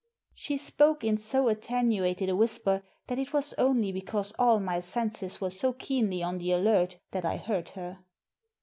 She spoke in so attenuated a whisper that it was only because all my senses were so keenly on the alert that I heard her.